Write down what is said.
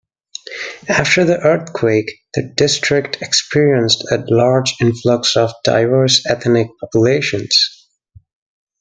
After the earthquake, the district experienced a large influx of diverse ethnic populations.